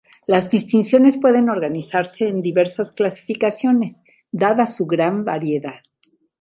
Las distinciones pueden organizarse en diversas clasificaciones dada su gran variedad.